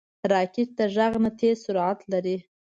راکټ د غږ نه تېز سرعت لري